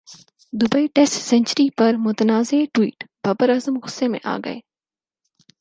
Dubai test century پر متنازع tweet Babar Azam غصہ میں اگئے